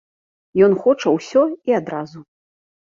Ён хоча ўсё і адразу.